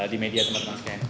di media teman teman sekalian